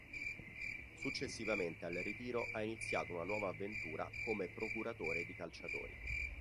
Successivamente al ritiro ha iniziato una nuova avventura come procuratore di calciatori.